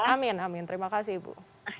amin amin terima kasih ibu